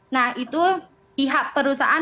nah itu pihak perusahaan